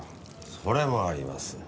それもあります。